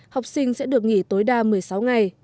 học sinh sẽ được nghỉ tối đa một mươi sáu ngày